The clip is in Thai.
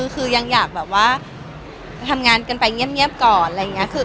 คือยังอยากทำงานกันไปเงียบเลย